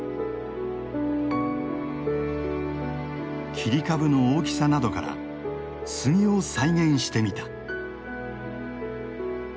切り株の大きさなどから杉を再現してみた。